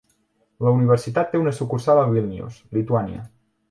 La Universitat té una sucursal a Vilnius, Lituània.